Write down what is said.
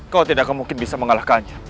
kau tidak akan mungkin bisa mengalahkannya